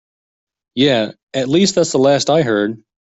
Yeah, at least that's the last I heard.